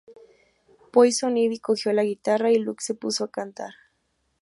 Poison Ivy cogió la guitarra, y Lux se puso a cantar.